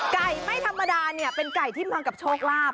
ไม่ธรรมดาเนี่ยเป็นไก่ที่มากับโชคลาภ